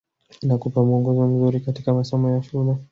inakupa muongozo mzuri katika masomo ya shule